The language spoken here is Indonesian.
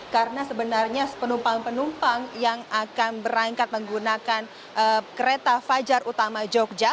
karena sebenarnya penumpang penumpang yang akan berangkat menggunakan kereta fajar utama jogja